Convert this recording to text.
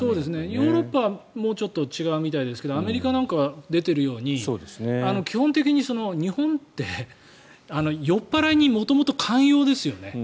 ヨーロッパはもうちょっと違うみたいですがアメリカなんかは出てるように基本的に日本って酔っ払いに元々、寛容ですよね。